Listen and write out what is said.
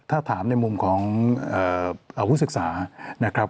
คำนี้อาการลิโกเชนะครับ